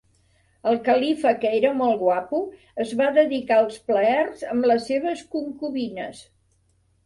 El califa que era molt guapo, es va dedicar als plaers amb les seves concubines.